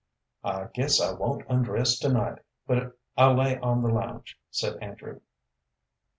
"I guess I won't undress to night, but I'll lay on the lounge," said Andrew.